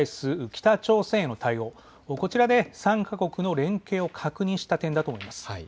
北朝鮮への対応、こちらで３か国の連携を確認した点だと思います。